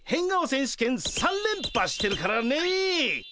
選手権３連覇してるからね。